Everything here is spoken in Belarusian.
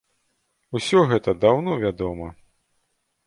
Усё гэта даўно вядома.